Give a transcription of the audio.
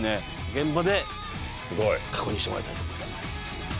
現場ですごい！確認してもらいたいと思いますね